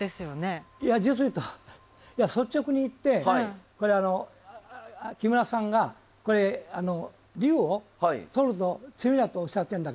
いや実を言うと率直に言ってこれは木村さんが龍を取ると詰みだとおっしゃってんだけども。